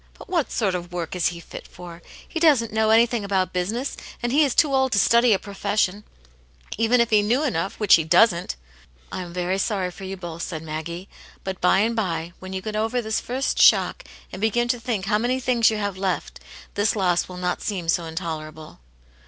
But what sort of work is he fit for ? He doesn't know anything about busi ness, and he is too old to study a professioni even if he knew enough, which he doesn't." "I am very sorry for you both," said Maggie. " But by and by, when you get over this first shock, and begin to think how many things you have left, this loss will not seem so intolerable.